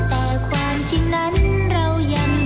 แต่ความจริงนั้นเราอยากทราบ